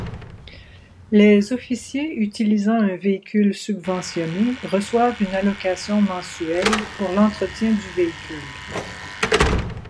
Les officiers utilisant un véhicule subventionné reçoivent une allocation mensuelle pour l'entretien du véhicule.